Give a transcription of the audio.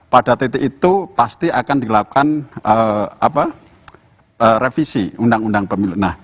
pada titik itu pasti akan dilakukan revisi undang undang pemilu